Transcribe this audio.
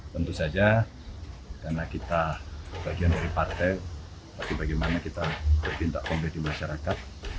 tentu saja karena kita bagian dari partai bagaimana kita berpindah komedi masyarakat